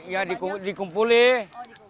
ya baru dikonsumsi banyak